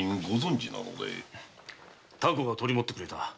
凧が取り持ってくれた。